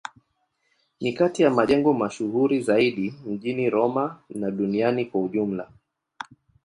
Ni kati ya majengo mashuhuri zaidi mjini Roma na duniani kwa ujumla.